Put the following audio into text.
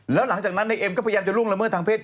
แล้วหลังจากนั้นนายเอ็มก็พยายามจะล่วงละเมิดทางเศษ